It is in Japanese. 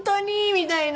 みたいな。